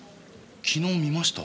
昨日見ました。